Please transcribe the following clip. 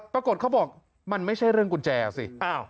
ปรากฏเขาบอกมันไม่ใช่เรื่องกุญแจสิ